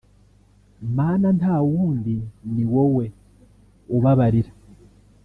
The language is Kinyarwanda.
Mana nta wundi ni wowe ubabarira